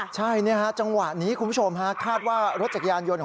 ใช่จังหวะนี้คุณผู้ชมฮะคาดว่ารถจักรยานยนต์ของ